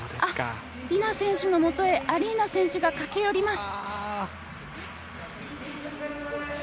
ディナ選手の元へアリーナ選手が駆け寄ります。